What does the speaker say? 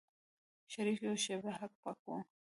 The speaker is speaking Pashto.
شريف يوه شېبه هک پک و.